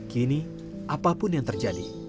kini apapun yang terjadi